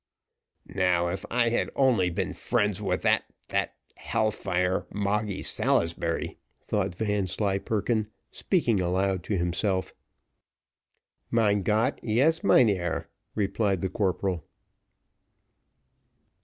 "Now, if I had only been friends with that that hell fire Moggy Salisbury," thought Vanslyperken, speaking aloud to himself. "Mein Gott, yes, mynheer," replied the corporal.